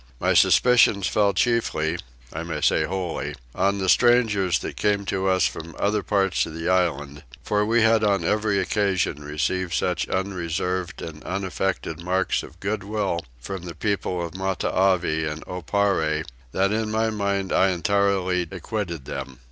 My suspicions fell chiefly, I may say wholly, on the strangers that came to us from other parts of the island; for we had on every occasion received such unreserved and unaffected marks of goodwill from the people of Matavai and Oparre that in my own mind I entirely acquitted them.